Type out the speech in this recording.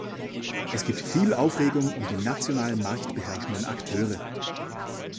Es gibt viel Aufregung um die national marktbeherrschenden Akteure.